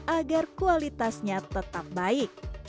agar kualitasnya tetap baik